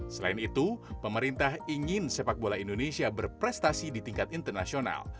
selain itu pemerintah ingin sepak bola indonesia berprestasi di tingkat internasional